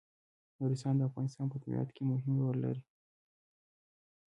نورستان د افغانستان په طبیعت کې مهم رول لري.